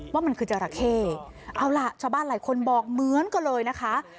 ว่ามันคือจราเข้เอาล่ะชาวบ้านหลายคนบอกเหมือนกันเลยนะคะ